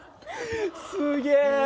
すげえ！